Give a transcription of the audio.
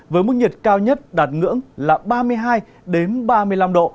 với mức nhiệt cao nhất đạt ngưỡng là ba mươi hai ba mươi năm độ